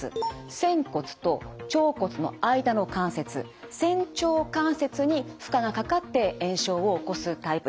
仙骨と腸骨の間の関節仙腸関節に負荷がかかって炎症を起こすタイプです。